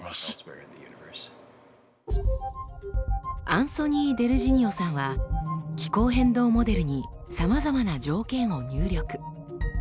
アンソニー・デルジニオさんは気候変動モデルにさまざまな条件を入力。